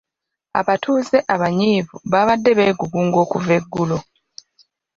Abatuuze abanyiivu babadde beegugunga okuva eggulo.